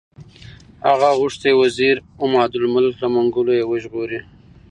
هغه غوښتي وزیر عمادالملک له منګولو یې وژغوري.